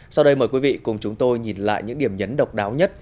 sau đây mời quý vị cùng chúng tôi nhìn lại những điểm nhấn độc đáo nhất